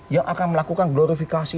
yang akan melakukan glorifikasi